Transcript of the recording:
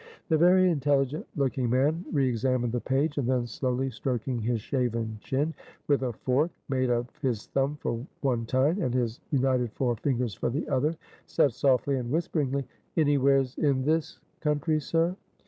The very intelligent looking man re examined the page, and then slowly stroking his shaven chin, with a fork, made of his thumb for one tine, and his united four fingers for the other, said softly and whisperingly "Anywheres in this country, sir?"